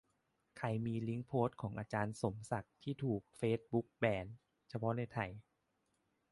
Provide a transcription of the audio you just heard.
ใครมีลิงก์โพสต์ของอาจารย์สมศักดิ์ที่ถูกเฟซบุ๊กแบน เฉพาะในไทย